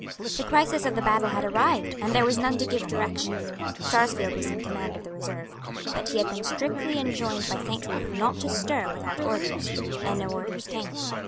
The crisis of the battle had arrived; and there was none to give direction. Sarsfield was in command of the reserve. But he had been strictly enjoined by Saint Ruth not to stir without orders; and no orders came.